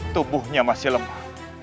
tubuhnya masih lemah